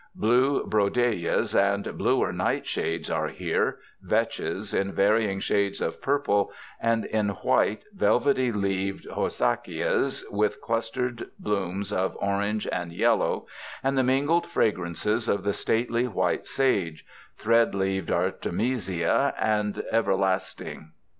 Blue brodiaeas and bluer nightshades are here, vetches in varying shades of purple and in white, velvety leaved ho sackias with clustered blooms of orange and yellow, and the mingled fragrances of the stately white sage, threadleaved artemisia, and everlasting.